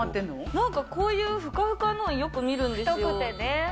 なんかこういう、ふかふかのよく見るんですよ。